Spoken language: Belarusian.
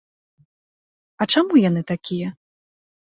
А чаму яны такія?